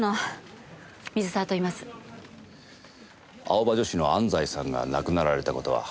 青葉女子の安西さんが亡くなられた事は？